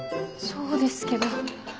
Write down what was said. そうですけど。